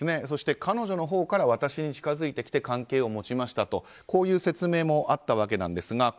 そして彼女のほうから私に近づいてきて関係を持ちましたとこういう説明もあった訳ですが。